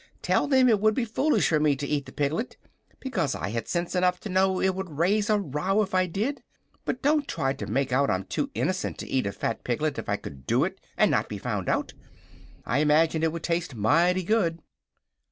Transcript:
"Tell them it would be foolish for me to eat the piglet, because I had sense enough to know it would raise a row if I did. But don't try to make out I'm too innocent to eat a fat piglet if I could do it and not be found out. I imagine it would taste mighty good."